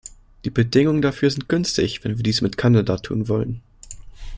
Die Bedingungen dafür sind günstig, wenn wir dies mit Kanada tun wollen.